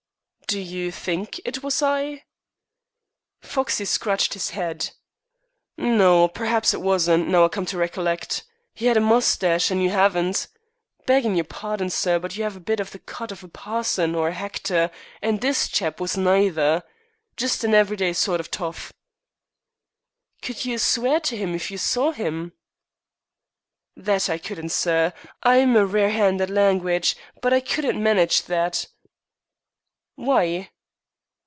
"Do you think it was I?" Foxey scratched his head. "No, p'r'aps it wasn't, now I come to rec'llect. He 'ad a moustache, and you 'aven't. Beggin' yer pardon, sir, but you 'ave a bit of the cut of a parson or a hactor, an' this chap wasn't neither just an every day sort of toff." "Could you swear to him if you saw him?" "That I couldn't, sir. I am a rare 'and at langwidge, but I couldn't manage that." "Why?"